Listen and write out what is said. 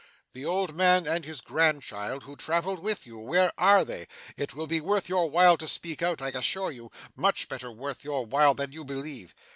'The old man and his grandchild who travelled with you where are they? It will be worth your while to speak out, I assure you; much better worth your while than you believe.